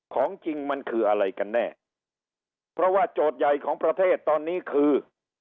ของจริงมันคืออะไรกันแน่เพราะว่าโจทย์ใหญ่ของประเทศตอนนี้คือ